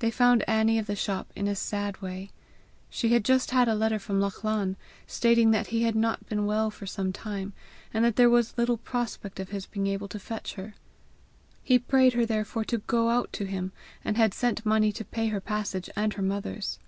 They found Annie of the shop in a sad way. She had just had a letter from Lachlan, stating that he had not been well for some time, and that there was little prospect of his being able to fetch her. He prayed her therefore to go out to him; and had sent money to pay her passage and her mother's.